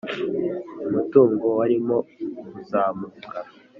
umutungo warimo kuzamuka